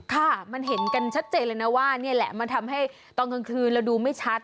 ค่ะมันเห็นกันชัดเจนเลยนะว่านี่แหละมันทำให้ตอนกลางคืนเราดูไม่ชัด